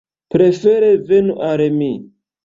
Prefere venu al mi.